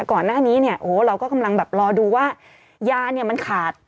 ก่อนหน้านี้เนี่ยโอ้เราก็กำลังแบบรอดูว่ายาเนี่ยมันขาด